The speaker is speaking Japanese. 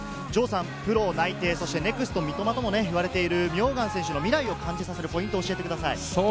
プロ内定、ＮＥＸＴ三笘ともいわれている名願選手の未来を感じさせるポイントを教えてください。